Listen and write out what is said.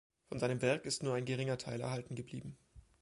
Von seinem Werk ist nur ein geringer Teil erhalten geblieben.